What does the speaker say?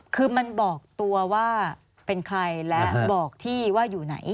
คือมันบอกตัวว่าเป็นใครและบอกที่ว่าอยู่ไหน